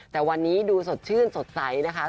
แต่วันนี้ดูสดชื่นสดใสนะคะ